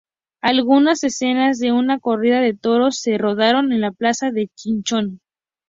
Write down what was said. Algunas escenas de una corrida de toros se rodaron en la plaza de Chinchón.